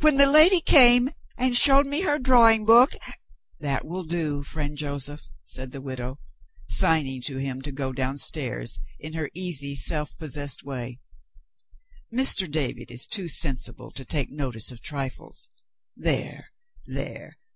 When the lady came, and showed me her drawing book " "That will do, friend Joseph," said the widow, signing to him to go downstairs in her easy self possessed way. "Mr. David is too sensible to take notice of trifles. There! there!